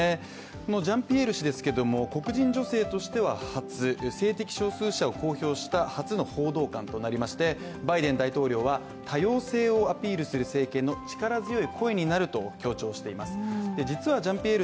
このジャンピエール氏ですけども黒人女性としては初、性的少数者を公表した初の報道官となりまして、バイデン大統領は、多様性をアピールする政権の力強い声になると強調しています